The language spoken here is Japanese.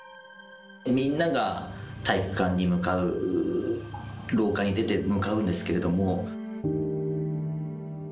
みんなが体育館に向かう、廊下に出て向かうんですけども。